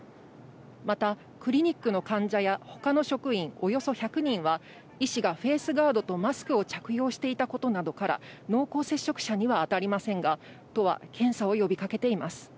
また、クリニックの患者やほかの職員およそ１００人は、医師がフェースガードとマスクを着用していたことなどから、濃厚接触者には当たりませんが、都は、検査を呼びかけています。